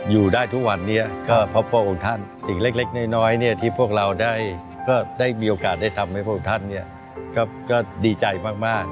อยู่ได้ทุกวันนี้ก็เพราะพระองค์ท่านสิ่งเล็กน้อยที่พวกเราได้มีโอกาสได้ทำให้พวกท่านก็ดีใจมาก